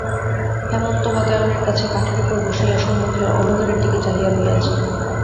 হেমন্ত বাতায়নের কাছে খাটের উপরে বসিয়া সম্মুখের অন্ধকারের দিকে চাহিয়া আছে।